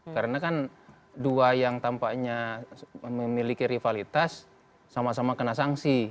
karena kan dua yang tampaknya memiliki rivalitas sama sama kena sanksi